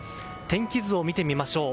天気図を見てみましょう。